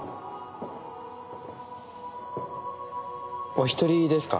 お一人ですか？